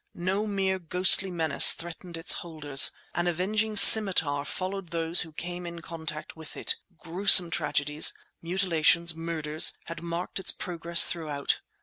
No mere ghostly menace threatened its holders; an avenging scimitar followed those who came in contact with it; gruesome tragedies, mutilations, murders, had marked its progress throughout.